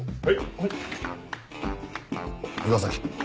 はい。